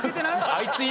あいつ今。